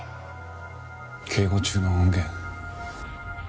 警護中の音源？